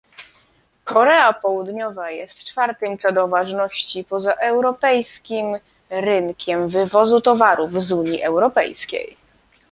Korea Południowa jest czwartym co do ważności pozaeuropejskim rynkiem wywozu towarów z Unii Europejskiej